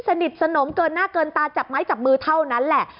สนิทสนมเกินหน้าเกินตาจับไม้จับมือเท่านั้นแหละ